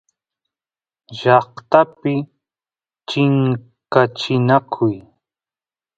llaqtapi chinkachinakuy